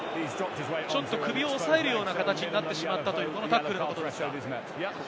首を押さえるような形になってしまったという、このタックルですか。